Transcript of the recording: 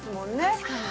確かに。